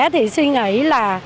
thì suy nghĩ là